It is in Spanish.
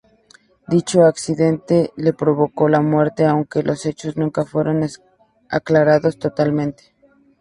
Dicho accidente le provocó la muerte, aunque los hechos nunca fueron aclarados totalmente.